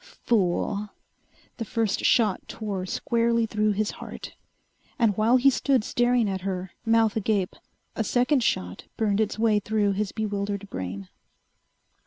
"Fool!" The first shot tore squarely through his heart. And while he stood staring at her, mouth agape, a second shot burned its way through his bewildered brain.